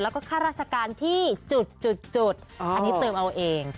แล้วก็ค่าราชการที่จุดอันนี้เติมเอาเอง